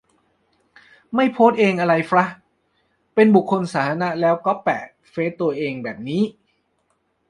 ไม่โพสเองอะไรฟระ ? เป็นบุคคลสาธารณะแล้วก๊อปแปะเฟสตัวเองแบบนี้